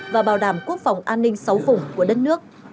và bảo đảm quốc phòng an ninh sáu vùng của đất nước